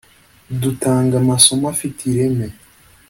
dutanga amasomo afite ireme